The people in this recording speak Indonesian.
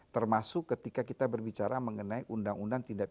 termasuk ketika kita berbicara mengenai undang undang tindakan